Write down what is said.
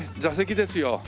座席ですよ。